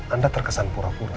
anda terkesan pura pura